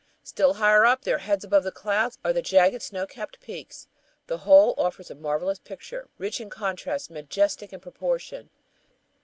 Still higher up, their heads above the clouds, are the jagged snow capped peaks. The whole offers a marvelous picture, rich in contrast, majestic in proportion.